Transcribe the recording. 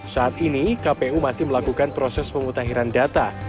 saat ini kpu masih melakukan proses pemutahiran data